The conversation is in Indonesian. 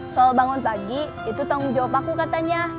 soal bangun pagi itu tanggung jawab aku katanya